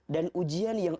dan ujian yang